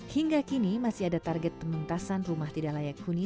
hingga kini masih ada target penuntasan rumah tidak layak huni